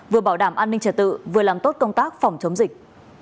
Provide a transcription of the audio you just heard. vừa bảo đảm an ninh trật tự vừa làm tốt công tác phòng chống dịch